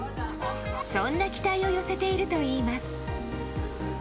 そんな期待を寄せているといいます。